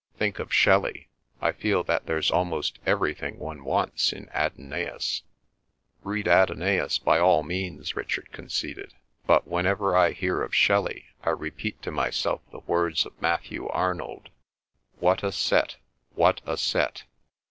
"Think of Shelley. I feel that there's almost everything one wants in 'Adonais.'" "Read 'Adonais' by all means," Richard conceded. "But whenever I hear of Shelley I repeat to myself the words of Matthew Arnold, 'What a set! What a set!